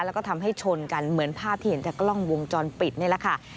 แล้วก็ทำให้ชนกันเหมือนภาพที่เห็นจากกล้องวงจรปิดนี่แหละค่ะ